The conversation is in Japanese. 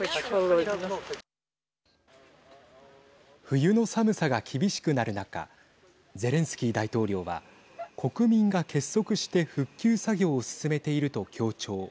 冬の寒さが厳しくなる中ゼレンスキー大統領は国民が結束して復旧作業を進めていると強調。